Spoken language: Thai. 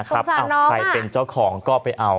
ใครเป็นเจ้าของก็ไปเอา